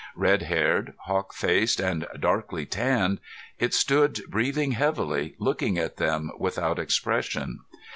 Red haired, hawk faced and darkly tanned, it stood breathing heavily, looking at them without expression.